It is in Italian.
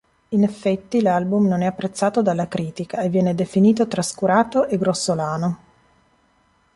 In effetti l'album non è apprezzato dalla critica e viene definito "trascurato e grossolano".